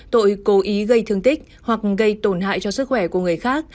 tội cố ý gây thương tích hoặc gây tổn hại cho sức khỏe của người khác